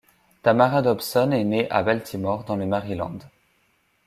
Tamara Dobson est née à Baltimore, dans le Maryland.